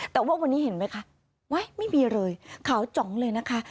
แต่ว่าวันนี้เห็นไหมคะไม่มีเลยขาวจ๋องเลยนะคะ